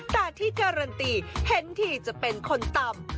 แต่ที่การันตีเห็นที่จะเป็นคนต่ำ